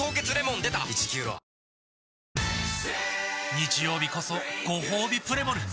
日曜日こそごほうびプレモル！